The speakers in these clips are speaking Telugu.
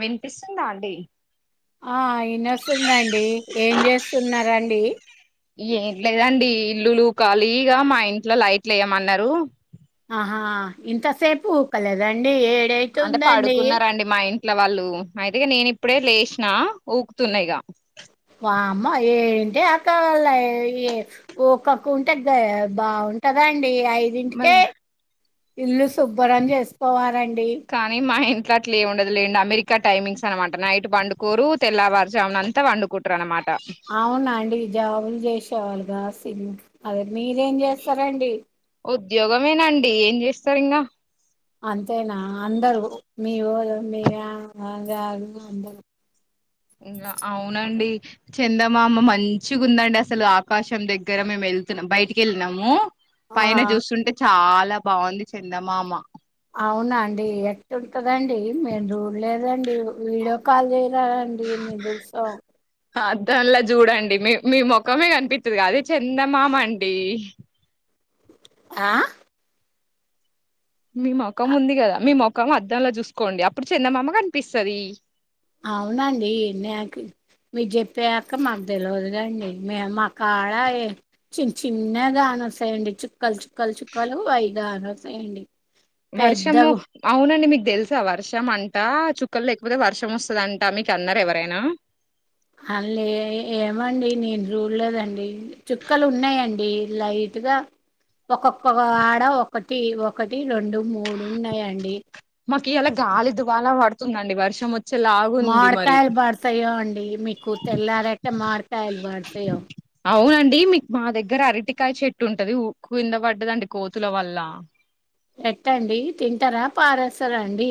వినిపిస్తుందా అండి ఆ ఇయనొస్తుందండి ఏం చేస్తున్నారండి ఏం లేదండి ఇల్లులు ఖాళీగా మా ఇంట్లో లైట్లు వేయ్యమన్నారు ఆహా ఇంత సేపు కలదండి ఏడైతు ఉందండి ఇట్లా వాళ్ళు అయితేగా నేను ఇప్పుడే లేచినా ఊకుతున్నాయిగా అమ్మ ఏంటిే అక్కళ ఏ ఒక్కక్క ఉంటే బాగుంటదా అండి ఐదింటికే మరి ఇల్లు శుభ్రం చేసుకోవాలండి అట్లాట్ లే ఉండదు లేండి అమెరికా టైమింగ్స్ అనమాట నైట్ వండుకోరు తెల్లవారుజామున అంతా వండుకుంటురు అనమాట అవునండి జాబులు చేసేవాళగా సి అదే మీర ఏం చేస్తారండి ఉద్యోగమేనాండి ఏం చేస్తారు ఇంగా అంతేనా అందరు మీ ఊరు మీ వ అందరు ఇంకా అవునండి చందమామ మంచిగా ఉందండి అసలు ఆకాశం దగ్గర మేము వెళ్తున్నాం బయటికి వెళ్ళినము పైన ఆ! చూస్తుంటే చాలా చాలా బాగుంది చందమామ అవునా అండి లేదండి వీడియో కాల్ చెయ్ అండి మీ తెలుసా అద్దంలా చూడండి మీ మీ ముొఖమే కనిపిస్తుది అదే చెందమామ అండి ఆ మీ మొక్కం ఉంది కదా మీ మొక్ ముఖం అద్దంలో చూసుకోండి అప్పుడు చందమామ కనిపిస్తుంది అవునండి నాకు మీ చెప్పయాక మాకు తెల్వదు కండి మే మా కాడ చి చిన్నగాన వస్తాయండి చుక్కలు చుక్కలు చుక్కలు వైగాాన వస్తాయండి వర్షము పెద్దగా అవునండి మీక్ తెలుసా వర్షం అంటా చుక్కలు లేకపోతే వర్షం వస్తుందంటా మీకు అన్నార ఎవరైనా అ లే ఏమండి నేను రూడలేదండి చుక్కలు ఉన్నాయండి లైట్గా ఒక్కొక్క ఆడ ఒకటి ఒకటి రెండు మూడు ఉన్నాయండి మకి ఎలా గాలి దగాల వాడత వస్తుందండి వర్షం వచ్ మామిడికాయలు పడతాయో అండి మీకు తెల్లారక మామిడికాయలు పడతాయో అండి మీకు మా దగ్గర అరటికాయ చెట్టు ఉంటది ఉ కింద పడ్డదండి కోతుల వల్ల ఎట్టండి తింటారా పారేస్ తరా అండి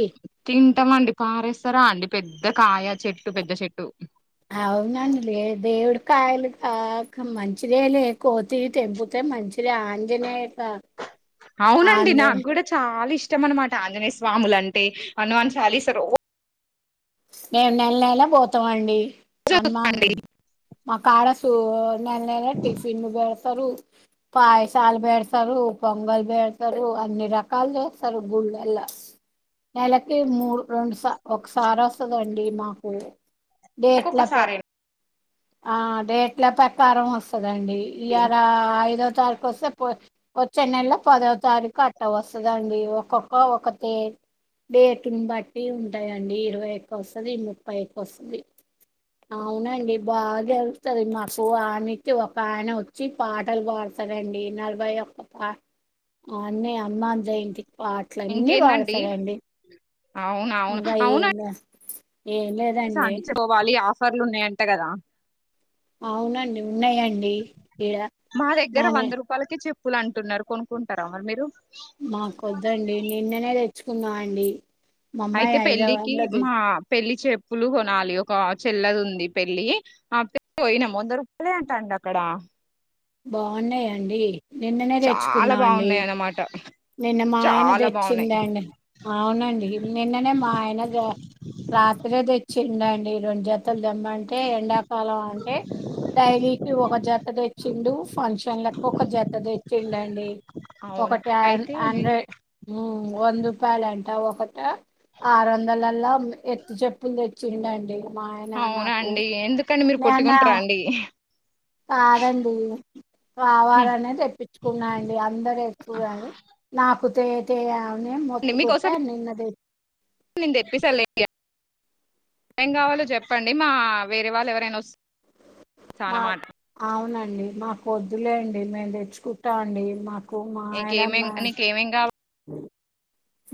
టమండి పారేస్తారా అండి పెద్ద కాయ చెట్టు పెద్ద చెట్టు అవునండి లే దేవుడి కాయలు కా క మంచిదే లే కోతి తెెంపుతే మంచి చిరే ఆంజనేయకా ఆంజనే ష్టం అనమాట ఆంజనేయ స్వాములంటే హనుమాన్ చాలీసా రో మేం నెల నెలా పోతమండి హనుమాన్ అండి లు మా కాడ సు ఓర్ నన్నెవర్ టిఫిన్ బో పాయసాలు పెేడతారు పొంగలు పెేడతారు అన్ని రకాలు చేస్తారు గుళ్ళల, నెలకి మూడు రెండు స ఒకసారి వ వస్తుదఅండి మాకు డే ఎట్లా ప ఒక్కొక్కసారేనండి ఆ అదేట్ల ప్రకారం వస్తుంది దండి ఇర ఐదో తారీకుు వస్తే పో వచ్చే నెల పదో తారీఖు అట్ట వస్తుందండి, ఒక్కొక్క ఒక డేట్ని బట్టి ఉంటాయండి ఇరవై వస్తుంది ముప్పైకి వస్తుది, అవునండి బాగారుగుతుంది మాకు ఆయనకి ఒక ఆయన వచ్చి పాటలు పాడతారండి, నలభై క్క పా ఆన్న అమ్మా జయంతికి పాటల అన్నీ ఇంకేందండి పాడతాడండి ఇంకా ఏం ఏం లేదండి చం పోవాలి ఆఫ ్వర్లు ఉన్నాయంట కదా అవునండి ఉన్నయ అండి ఇడ ననేే ప్పులు అంటున్నారు కొనుక్కుంటారా మరి మీరు మాకు వద్దండి నిన్ననే ముచ్చుకుంగా అండి మా అమ్మాయి అయితే హైదరాబాద్ పెళ్ళికి లో తె మా పెళ్ళి చె పులు కొనాలి ఒక చెల్లది ఉంది పెళ్లి ఆ పె పోయినాం వంద రూపాయలే అంటండి అక్కడ బాగున్నాయండి నిన్ననే చాలా తెచ్చుకున్నా అండి బాగున్నాయి అన్నమాట నిన్న మా ఆయన చాలా బాగున్నాయి తెచ్చిందండి అవునండి నిన్ననే మా ఆయన రాత్రే తెచ్చి అండి ఇ రం జాత అంటే ఎండాకాలం అంటే డైలీకి ఒక జత వచ్చిండు ఫంక్షన్లకు ఒక జత తెచ్చిడుండి అవునా ఒకటి అయితే ఆండ్ర వంద రూపాయలు అంటే ఒకట ఆరు వందలలా ఎత్తు చెప్పులు తెచ్చిండ అండి అవునండి ఎందుకండి మీరు పట్టుకుంటార అండి కాదండీ కావాలనే తెప్పించుకున్నా అండి అందరు ఏస్కుర్రని నాప్. కుతేతేయ నే మొత్తుకుట్టే నిన్నదె నేన్ తెప్పేసాలే ఇగ ఏం కావాలో జెప్పండి మా వేరే వాళ్ళు ఎవరైనా వస్ మావ్ అవున ండి మాకొద్దులేండి మేమ్ తెచ్చుకుట్టా అండి మాక్ కు మా ఆయన నీకేమేం మ నీకేమేం కావాలి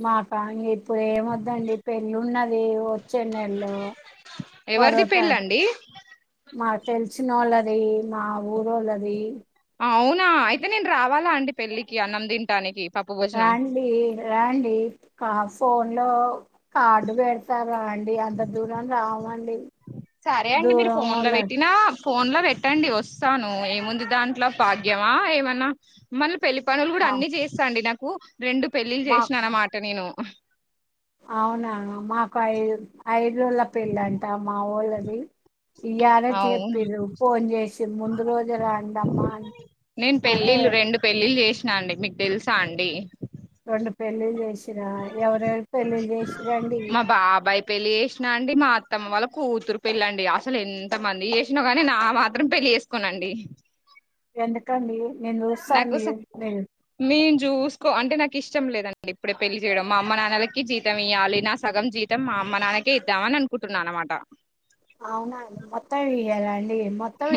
మాకా ఇ ఇప్పుడేమొద్దండి పెళ్ళున్నది వచ్చే నెల్లో పదో ఎవరిది తారీ. పెళ్ళండి మాక్ తెల్సినోళ్ళది మా ఊరోళ్ళది అవునా అయితే నేన్ రావాలా అండి పెళ్ళికి అన్నం తింటానికి. రాండి రాండి కాస్ పోన్ లో కార్డు బెడతారా డి అందర్ దూరం రామండి దూరమోల్ల. ఫోన్ లో పెట్టండి వస్తాను ఏముంది దాంట్లో పాగ్యమా ఏమన్నా మళ్ళ పెళ్లి పనులు గూడ ఆ అన్నీ జేస్తాండి నాక్ కు రెండు పెళ్ళిళ్ళ్ మా జేష్న అనమాట నేను అవునా మాకు ఐ ఐడు రోళ్ళ పెళ్ళంట మావోళ్ళ అదీ ఇయ్యాలే అవునా చెప్పిర్రు ఫోన్ జేసి ముందు రోజే రాండమ్మా నేను అంటే తాండి రొండు పెళ్ళిళ్ళ్ జేస్ మ బాబాయ్ పెళ్లి జేష్నా అండి మా అత్తమ్మ వాళ్ళ. కూతుర్ పెళ్ళండి అసలెంత మంది జేష్న గాని నా మాత్రం పెళ్ళి జేసుకోనండి. ఎందుకండి. నేను నాకు చూస్తాండి స మీరు మీన్ జూస్ క్ అంటే నాకిష్టం లేదండి ఇప్పుడే పెళ్లి జేయడం మా అమ్మ నాన్నలకి జీతం ఇయ్యాలి నా సగం జీతం మా అమ్మ నాన్నకే ఇద్దామని అనుకుంటున్నా అనమాట. ఔనా అండి మొత్తమియ్యాలా అం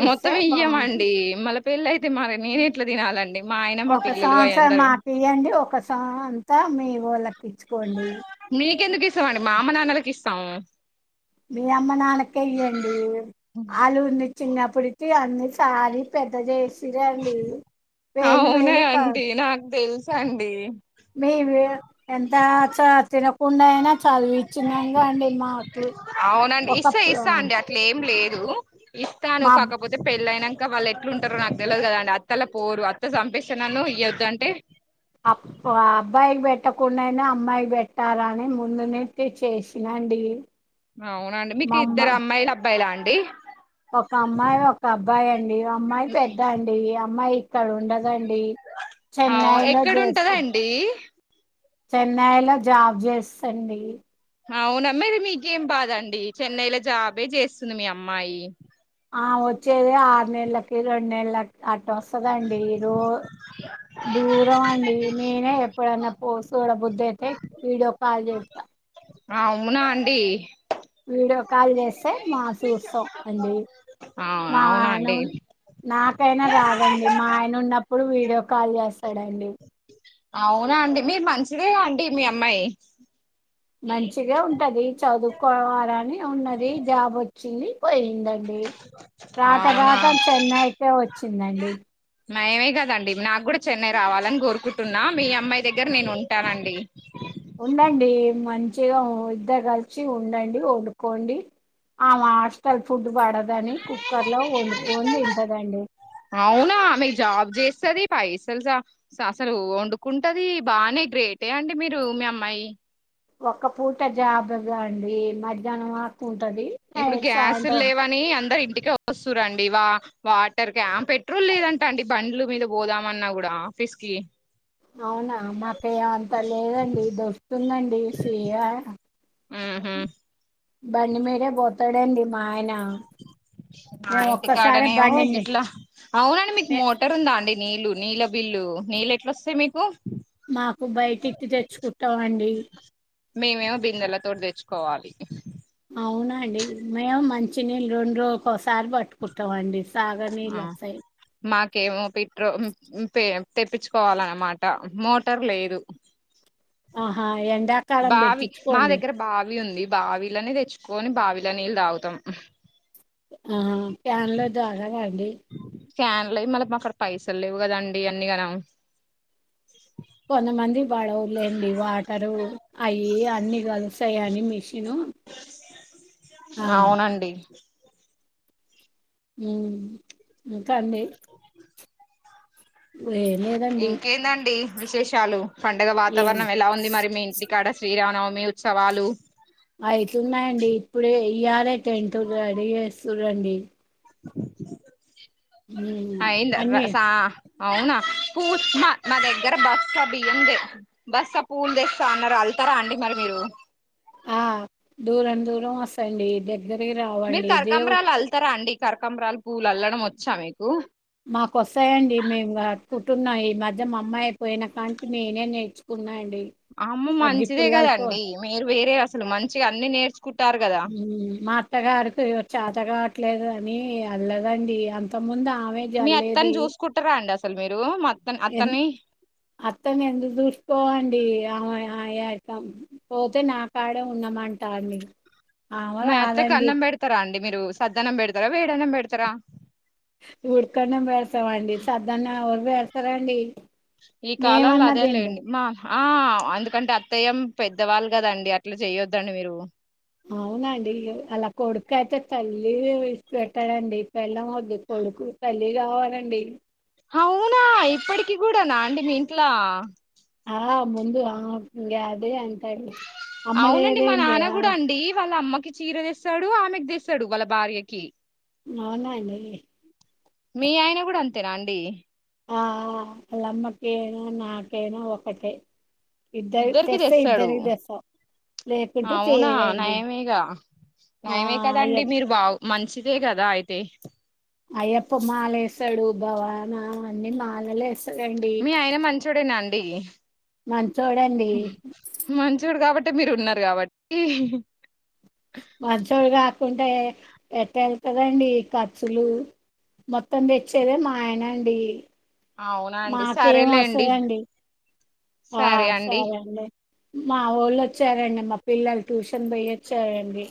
మొత్తం ఇయ్యమండి మళ్ళ పెళ్లయితే మాది నేనెట్ల తినాలండి మా ఆయన మా ఒక పిల్లలు అయందరూ ఆ మీ వోళ్ళకి ఇచ్చుకోండి. మీకెందుకు ఇస్తామండి మా అమ్మ నాన్నలకి ఇస్తాము మీ అమ్మ నాన్న కె ఇయ్యండి ఆళ్ళు చిన్నప్పటి నుంచి అన్ని సాది పెద్ద చేసి అవునా అండి నాకు తెలుస్ సండి మీవి ఎంత చ తినకుండా అయినా చదువిచ్చినంగా అండి మాకు ఒకప్ ఆ హలో ఇస్తాను కాకపోతే పె ఇల్లు అయినంక వాళ్ళు ఎట్లు ఉంటరో నాకు తెలిదు కదా అండి అత్తల పోరు అత్త చంపిస్తే నన్ను ఇయ్యొద్దు అంటే అబ్బా అబ్బాయి కి బెట్ పెట్టకుండ అయినా అమ్మాయి కి పెట్టాల ని ముందు నుండీ చేసిన అండి అవునండి మీకు ఇద్దరు అమ్మాయిలు అబ్బాయిలా అండి అండి ఒక అమ్మాయి ఒక అబ్బాయి అండి అమ్మాయి పెద్ద అండి అమ్మాయి ఇక్కడ ఉండదండి అవు చెన్నైలో చేస్తు ఎక్కడుంటదండి చెన్నైలో జాబ్ చేస్తదండి అవున మరి మీకేం బాదండి చెన్నైలో జాబే చేస్తుంది మీ అమ్మాయి ఆ వచ్చేది ఆరు నెల్లకి రెండు నెల్లకి అ వస్తదండి రో. దూరం అండి నేనే ఎప్పుడన్న ఓ సూడ బుద్ది అయితే వీడియో కాల్ చేస్తా ఆ అవునా అండి వీడియో కాల్ చేస్తే మా చూస్తాం అండి అ మా అవునా నా అండి నా రాదండి మా ఆయన ఉన్నప్పుడు వీడియో కాల్ చేస్త డండి అవునా అండి మీకు మంచిదే గా అండి మీ అమ్మాయి మంచిగా ఉంటది చదువుకోవాలని ఉన్నది జాబ్ వచ్చింది పోయిందండి రాక అవునా రాక చెన్నైకె వచ్చ చిందండి నయమే కదండి నాకు కూడా చెన్నై రావాలని కోరుకుంటున్నా మీ అమ్మాయి దగ్గర నేను ఉంటానండి ఉండండి మంచిగా ఇద్దరు కలిసి ఉండండి వండుకోండి ఆమె హాస్టల్ ఫుడ్ పడద్ దని కుక్కర్ లో వండుకని తింటదండి అవునా ఆమె జాబ్ చేస్తది పైసలు అసలు వండుకుంటది బానే గ్రేటే అండి మీరు మీ అమ్మాయి ఒక్క పూట జాబె గా అండి మధ్యాహ్నం వరకు ఉం ఇప్పుడు గ్యాసు ల్లేవని అందరు ఇంటి ఇక వస్తు రండి వా వాటర్ క పెట్రోల్ లేదంట అండి బండ్లు మీద పోదామన్నా కూడా ఆఫీస్ కి అవున మాకేయ అంత లేదండి దొస్తుందండి సీయా ఆహ బండి మీదె పోతాడండి మా ఆయన మా మేము ఇంటి ఒక్కసారి కాడనేమో బండిని గిట్ల అవునండి మీకు మే- మోటర్ ఉందా అండి నీళ్లు నీళ్ళ బిల్లు నీళ్ళు ఎట్లోస్తాయి మీకు మాకు బయటికి తెచ్చుకుంటం అండి కొవాలి అవునండి మేము మంచిినీళ్ళు రెండు ఒకొసారి పట్టుకుంటాం అండి తాగ నీల్లోస్తాయి కేమో పిట్రో తెప్పించుకోవాలన్నమాట మోటార్ లేదు ఆహా ఎం బావి మా దగ్గర బావి ఉంది బావిలనె తెచ్చుకోొని బావిల నీళ్ళు తాగుతాం ఆ ఫ్యాన్లో దాగావ అండి ఫ్యాన్లోయి మళ్ళ మా అక్కడ పైసలు లేవు కదండి అన్నీ కనం పడవలేండి వాటరు అవి అన్ని కలుస్తాయి అని మిష అవునండి మ్ తండి లే నెదండి విషెషాలు పండగ వాతావరణం ఎలా ఉంది మరి మెయిన్లీ ఇక్కడ శ్రీరామనవమి ఉత్సవాలు అయితున్నాయండి. ఇప్పుడే తూరండి హ్మ్. అయ్యిందా అన్నీ రసా అవున పూ మా మా దగ్గర బస్సా బియ్యం బస్సా పూలు తెస్తా అన్నారు అళ్తారా అండి మరి మీరు ఆ దూరం దూరం వసండి దగ్గ మీరు కరకాంబరాలు అల్లుతరా అండి కరకంబరాల్ పూవ్వులు అల్లడం వచ్చా మీకు మాకోస్తాయండి మేమ్ కా కుటున్నాయి ఈ మధ్య మా అమ్మాయ్ పోయిన కాంచి నేనె కున్నా యండి అమ్మ మంచిదే కదండి మీరు వేరే అసలు మంచిగా అన్ని నేర్చు హు మా అత్తగారికి ఈరోజు చాతగావట్లేదు అని అల్లదండి అంత ముందు, ఆమె మీ అత్తా జల్లేది నీ చూసుకుంటారాండి అసలు మీరు మా అత్త ఎన్ అత్తని అత్తను ఎందుకు చూసుకోమండి ఆమె అయే పోతే నా కాడే ఉన్నామంటాది అయితే మా అత్తకి అన్నం పెడతారా అండి మీరు సద్దన్నం పెడతారా వే అన్నం పెడతారా ఉడుకన్నం పెడతామండి చద్ది అన్నం ఎవరు పేడతారండి ఈ కాలంల అదే లేండి మా హ ఆ ఎందుకంటే అత్తయ్యం పెద్దవాళ్ళు కదండి అట్లా చెయొద్దండి మీరు అవునండి అలా కొడుకు అయితే తల్లి ఇడిసి పెట్టాడండి పెళ్ళాం వద్దు వ కొడుకు తల్లి కావాలండి అవునా ఇప్పటికి కూడా నా అండి మీ ఇంట్ల ఆ ముందు అ ఇంగా అదే అం అవునండి మా నాన్న కూడా అండి వాళ్ళ అమ్మకు ఈ చీర తెస్తాడు ఆమెకి తెస్తాడు వాళ్ళ భార్యకి మా నాయినే మీ ఆయన గూడా అంతేనా అండి ఆ ఆ వాళ్ళమ్మకేనా నాకైనా ఒకటే ఇద్దరి ఇద్దరికి తెస్తే దేస్తాడు ఇద్దరికి తెస్తాం లేకుంటే అవునా చేయరండి నయమేగా ఆ నయమే అయ్య కదండి మీరు బాగు మంచిదే గదా అయితే అయ్యప్ప మాల ఏస్తాడు భవాని నా అన్నీ మాలలు వేస్ మీ ఆయన మంచోడేనాండి అండి మంచోడండి అంటే మీరు ఉన్నార్ కాబట్టి మంచోడు కాకుంటే ఎట్ట వెళ్తదండి ఖర్చులు మొత్తం తెచ్చేదే మాయనండి అవునండి సరేలేండి ఆ సరే అండి మా వోళ్ళోచ్చారండి మా పిల్లలు ట్యూషన్ పోయొచ్చారండి